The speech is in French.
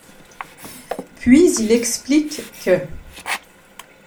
Puis il explique qu'.